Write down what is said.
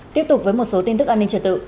tiếp tục với một số tin tức an ninh trật tự